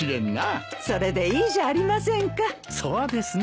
そうですね。